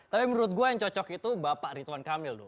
tapi menurut gua yang cocok itu bapak ridwan kamil tuh